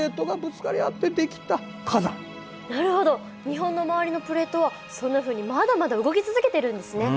日本の周りのプレートはそんなふうにまだまだ動き続けてるんですね。